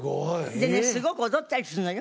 でねすごく踊ったりするのよ。